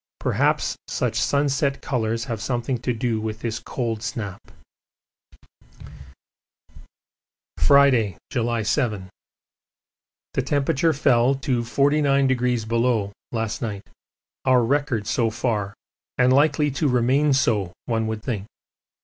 Perhaps such sunset colours have something to do with this cold snap. Friday, July 7. The temperature fell to 49° last night our record so far, and likely to remain so, one would think.